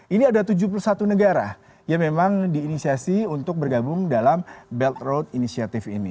ini ada tujuh puluh satu negara yang memang diinisiasi untuk bergabung dalam belt road initiative ini